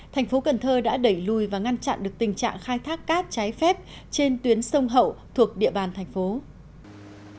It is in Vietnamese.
tp cn đã đẩy lùi và ngăn chặn được tình trạng khai thác cát trái phép trên tuyến sông hậu thuộc địa bàn tp cn